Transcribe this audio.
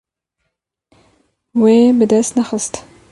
Wê bi dest nexist.